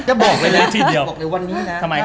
จะบอกเลยว่าวันนี้นะ